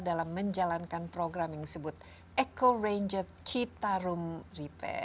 dalam menjalankan program yang disebut eco ranger citarum repair